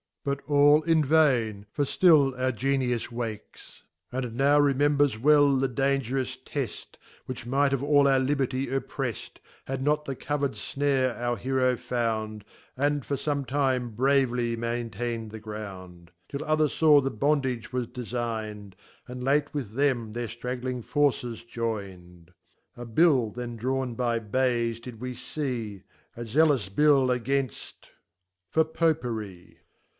Bnt all in Vain, for ftill our Genius wakes. And now remembers well the * dangerous Tefc, Which might have all our Liberty oppreft, Had not the cover'd fnare our Heroe found, And for fome time bravely maintain'd the ground, Till others faw the bondage was deiign'd , And late with them their ftragling Forces joynM A t Bill then drawn by B did we fee , 4 lealom Bill again ft —" for Popery.